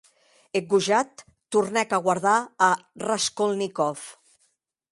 Eth gojat tornèc a guardar a Raskolnikov.